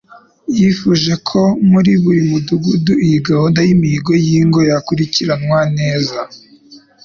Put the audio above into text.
Yifuje ko muri buri mudugudu iyi gahunda y'imihigo y'ingo yakurikiranwa neza